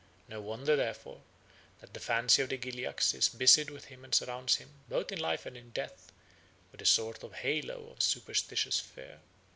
No wonder, therefore, that the fancy of the Gilyaks is busied with him and surrounds him, both in life and in death, with a sort of halo of superstitious fear.